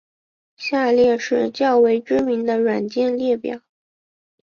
下列是较为知名的软件列表。